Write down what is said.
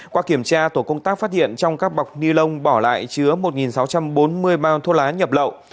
qua kiểm tra tổ công tác phát hiện trong các bọc ni lông bỏ lại chứa một sáu trăm bốn mươi bao thuốc lá nhập lậu